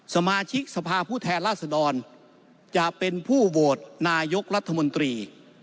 สมาชิกสภาพผู้แทนราษดรจะเป็นผู้โหวตนายกรัฐมนตรี